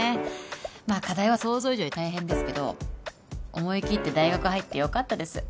まあ課題は想像以上に大変ですけど思い切って大学入ってよかったです